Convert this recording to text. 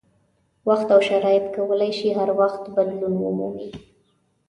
وخت او شرایط کولای شي هر وخت بدلون ومومي.